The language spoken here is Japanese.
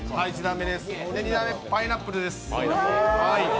２段目、パイナップルです。